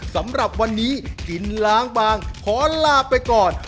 สำหรับวันนี้กินล้างบางขอลาไปก่อน